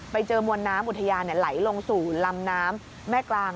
ไปเจอมวลน้ำอุทยานไหลลงสู่ลำน้ำแม่กลาง